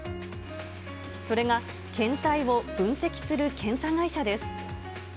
それが検体を分析する検査会社です。